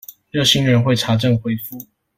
熱心人會查證回覆